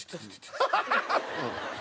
ハハハハ！